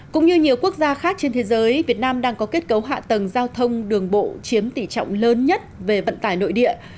cũng như nhiều quốc gia khác trên thế giới việt nam đang có kết cấu hạ tầng giao thông đường bộ chiếm tỷ trọng lớn nhất về vận tải nội địa